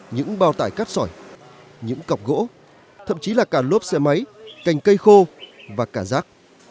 những bao tải cát sỏi những cọc gỗ thậm chí là cả lốp xe máy cành cây khô và cả rác